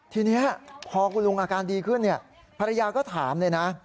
ทีนี้พอคุณลุงอาการดีขึ้นภรรยาก็ถามเลยนะ